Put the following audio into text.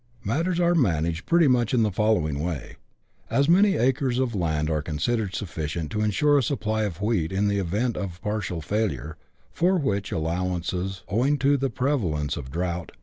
Matters are managed pretty much in the following way :— As many acres of land as are considered sufficient to ensure a supply of wheat in the event of partial failure (for which allowances, owing to the prevalence of drouglit